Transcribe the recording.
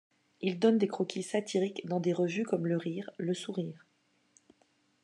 Il donne des croquis satiriques dans des revues comme Le Rire, Le Sourire.